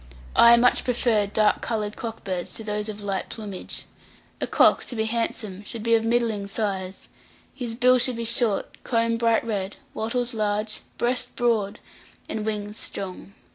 I much prefer dark coloured cock birds to those of light plumage. A cock, to be handsome, should be of middling size; his bill should be short, comb bright red, wattles large, breast broad, and wings strong.